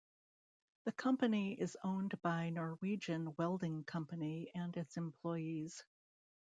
The company is owned by Norwegian Welding Company and its employees.